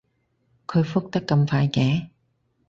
佢覆得咁快嘅